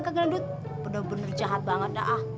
gagal duit bener bener jahat banget